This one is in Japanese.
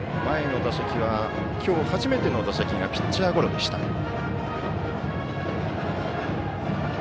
前の打席はきょう初めての打席がピッチャーゴロでした。